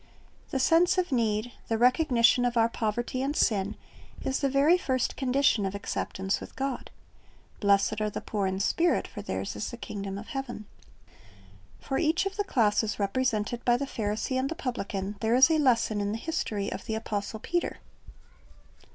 The sense of need, the recognition of our poverty and sin, is the very first condition of acceptance with God. "Blessed are the poor in spirit; for theirs is the kingdom of heaven."' For each of the classes represented by the Pharisee and the publican there is a lesson in the history of the apostle Peter.